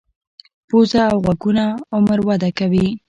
پوزه او غوږونه عمر وده کوي.